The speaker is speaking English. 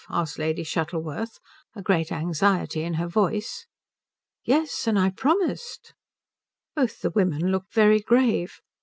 asked Lady Shuttleworth, a great anxiety in her voice. "Yes, and I promised." Both the women looked very grave.